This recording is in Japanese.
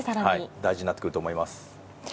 大事になってくると思います。